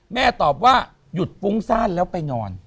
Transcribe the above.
ตอบว่าหยุดฟุ้งซ่านแล้วไปนอน